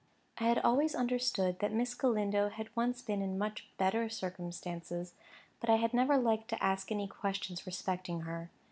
I had always understood that Miss Galindo had once been in much better circumstances, but I had never liked to ask any questions respecting her.